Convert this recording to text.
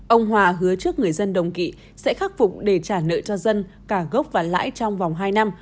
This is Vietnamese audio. ông hòa hứa trước người dân đồng kỵ sẽ khắc phục để trả nợ cho dân cả gốc và lãi trong vòng hai năm